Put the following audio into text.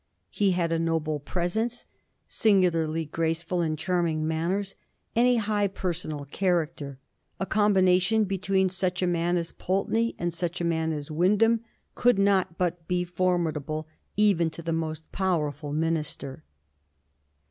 He had a noble presence, singularly gracefiil and charm ing manners, and a high personal character. A com bination between such a man as Pulteney and such a man as Wyndham could not but be formidable even to the most powerful^minister.